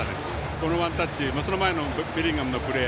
このワンタッチその前のベリンガムのプレー。